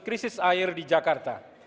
krisis air di jakarta